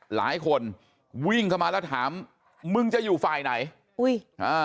หลายคนวิ่งเข้ามาแล้วถามมึงจะอยู่ฝ่ายไหนอุ้ยอ่า